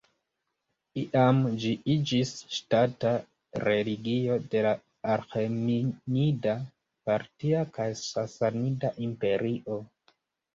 Iam ĝi iĝis ŝtata religio de la Aĥemenida, Partia kaj Sasanida Imperio.